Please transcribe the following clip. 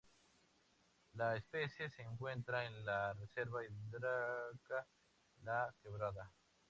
La especie se encuentra en la Reserva Hídrica la Quebrada.